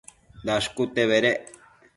Dashcute bedec